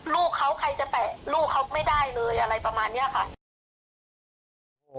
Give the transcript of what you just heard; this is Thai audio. ลูกเขาใครจะแตะลูกเขาไม่ได้เลยอะไรประมาณนี้ค่ะ